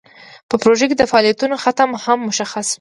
په پروژه کې د فعالیتونو ختم هم مشخص وي.